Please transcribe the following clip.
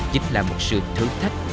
chính là một sự thử thách